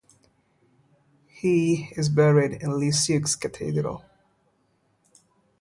He is buried in Lisieux Cathedral.